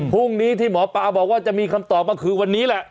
พรุ่งนี้ที่หมอปลาบอกว่าจะมีคำตอบมาคือวันนี้แหละ